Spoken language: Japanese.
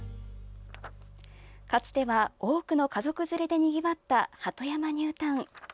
かつては多くの家族連れでにぎわった鳩山ニュータウン。